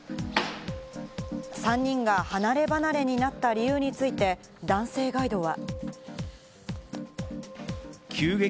３人が離ればなれになった理由について男性ガイドは。